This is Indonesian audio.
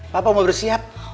papa mau bersiap